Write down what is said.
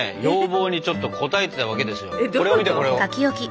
要望にちょっと応えてたわけですよ。